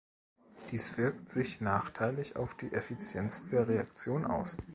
Dies wirkt sich nachteilig auf die Effizienz der Reaktion aus.